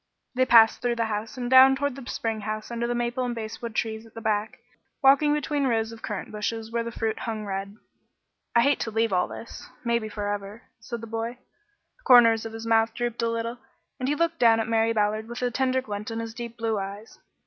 They passed through the house and down toward the spring house under the maple and basswood trees at the back, walking between rows of currant bushes where the fruit hung red. "I hate to leave all this maybe forever," said the boy. The corners of his mouth drooped a little, and he looked down at Mary Ballard with a tender glint in his deep blue eyes.